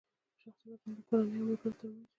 شخصي واټن د کورنۍ او ملګرو ترمنځ وي.